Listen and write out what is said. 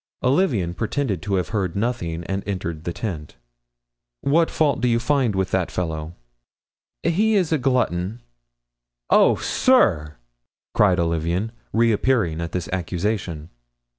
Olivain pretended to have heard nothing and entered the tent. "What fault do you find with the fellow?" "He is a glutton." "Oh, sir!" cried Olivain, reappearing at this accusation.